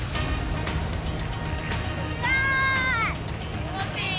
気もちいい！